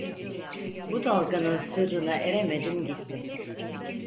Bu dalganın sırrına eremedim gitti.